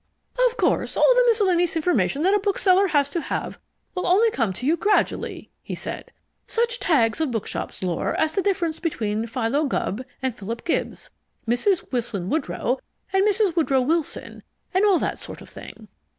"Of course all the miscellaneous information that a bookseller has to have will only come to you gradually," he said. "Such tags of bookshop lore as the difference between Philo Gubb and Philip Gibbs, Mrs. Wilson Woodrow and Mrs. Woodrow Wilson, and all that sort of thing.